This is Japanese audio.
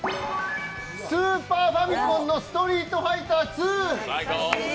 スーパーファミコンの「ストリートファイターⅡ」。